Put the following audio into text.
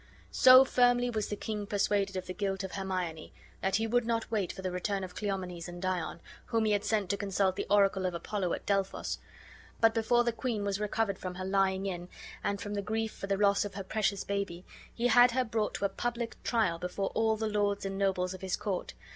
So firmly was the king persuaded of the guilt of Hermione that he would not wait for the return of Cleomenes and Dion; whom he had sent to consult the oracle of Apollo at Delphos, but before the queen was recovered from her lying in, and from the grief for the loss of her precious baby, he had her brought to a public trial before all the lords and nobles of his court.